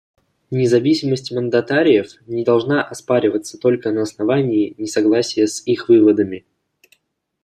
Независимость мандатариев не должна оспариваться только на основании несогласия с их выводами.